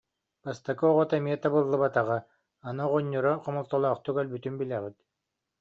Бастакы оҕото эмиэ табыллыбатаҕа, аны оҕонньоро хомолтолоохтук өлбүтүн билэҕит